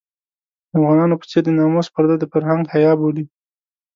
د افغانانو په څېر د ناموس پرده د فرهنګ حيا بولي.